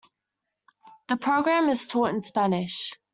The program is taught in Spanish.